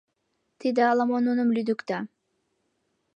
Тиде ала-мо нуным лӱдыкта.